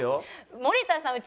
森田さん